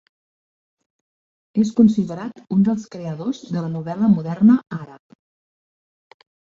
És considerat un dels creadors de la novel·la moderna àrab.